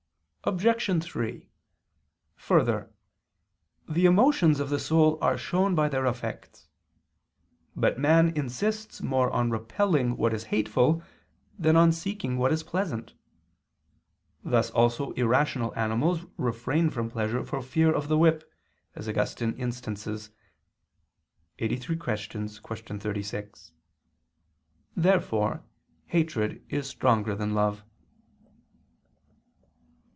Obj. 3: Further, the emotions of the soul are shown by their effects. But man insists more on repelling what is hateful, than on seeking what is pleasant: thus also irrational animals refrain from pleasure for fear of the whip, as Augustine instances (QQ. 83, qu. 36). Therefore hatred is stronger than love.